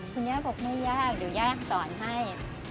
คุณย่าบอกไม่ยากเดี๋ยวย่าสอนให้